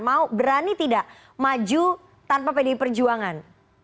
mau berani tidak maju tanpa pdi perjuangan